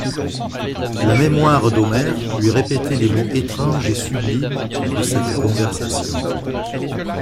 La mémoire d'Omer lui répétait les mots étranges et sublimes de cette conversation.